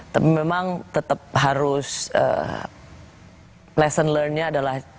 tapi memang tetap harus lesson learnednya adalah